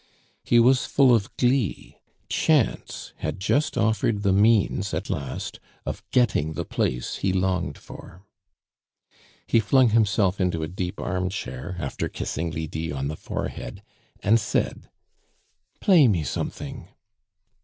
He was full of glee; chance had just offered the means, at last, of getting the place he longed for. He flung himself into a deep armchair, after kissing Lydie on the forehead, and said: "Play me something."